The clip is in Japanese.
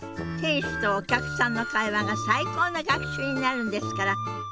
店主とお客さんの会話が最高の学習になるんですから。